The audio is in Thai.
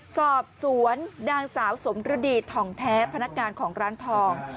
สอบสวนนางสาวสมฤดีทองแท้พนักงานของร้านทอง